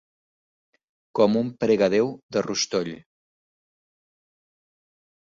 Com un pregadeu de rostoll.